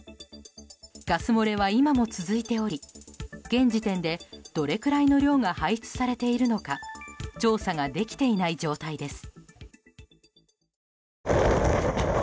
ガス漏れは今も続いており現時点でどれくらいの量が排出されているのか調査ができていない状態です。